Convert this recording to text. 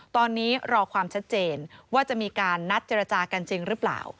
ตอนนี้รอความชัดเจนว่าจะมีการนัดเจรจากันจริงหรือเปล่า